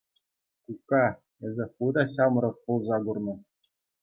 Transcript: Кукка, эсӗ ху та ҫамрӑк пулса курнӑ.